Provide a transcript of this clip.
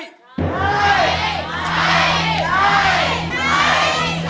ใช้